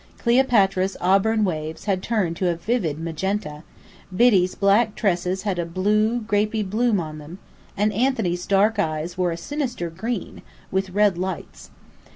Cleopatra's auburn waves had turned to a vivid magenta: Biddy's black tresses had a blue, grapey bloom on them: and Anthony's dark eyes were a sinister green, with red lights.